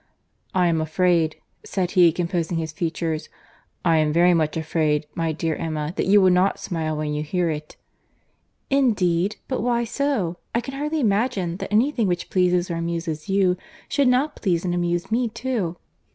"I am afraid," said he, composing his features, "I am very much afraid, my dear Emma, that you will not smile when you hear it." "Indeed! but why so?—I can hardly imagine that any thing which pleases or amuses you, should not please and amuse me too."